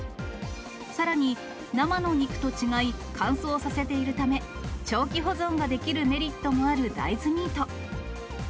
さらに、生の肉と違い、乾燥させているため、長期保存ができるメリットもある大豆ミート。